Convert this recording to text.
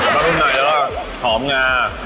แล้วทุกหน่อยล่ะหอมงา